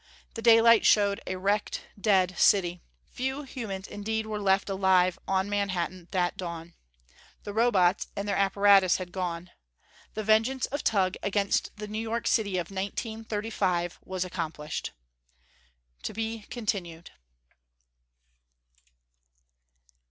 The daylight showed a wrecked, dead city. Few humans indeed were left alive on Manhattan that dawn. The Robots and their apparatus had gone.... The vengeance of Tugh against the New York City of 1935 was accomplished. (_To be continued.